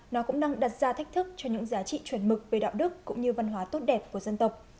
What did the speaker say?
nó cũng đang đặt ra thách thức cho những giá trị chuẩn mực về đạo đức cũng như văn hóa tốt đẹp của dân tộc